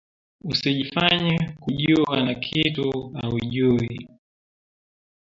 Usijifanye kujuwa na kitu auyuwi